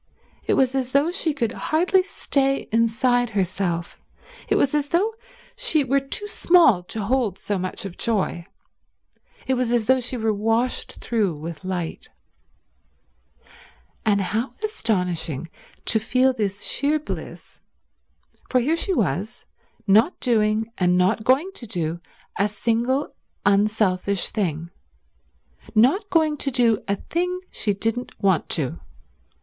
It was as though she could hardly stay inside herself, it was as though she were too small to hold so much of joy, it was as though she were washed through with light. And how astonishing to feel this sheer bliss, for here she was, not doing and not going to do a single unselfish thing, not going to do a thing she didn't want to do.